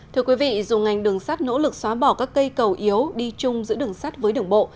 thưa quý vị dù ngành đường sắt nỗ lực xóa bỏ các cây cầu yếu đi chung giữa đường sắt với đường bộ